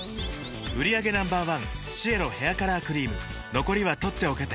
売上№１シエロヘアカラークリーム残りは取っておけて